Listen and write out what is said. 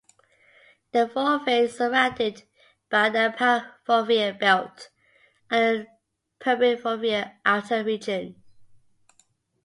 The fovea is surrounded by the "parafovea" belt, and the "perifovea" outer region.